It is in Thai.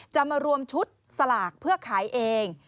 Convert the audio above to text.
จะมารวมชุดสลากเพื่อขายเอง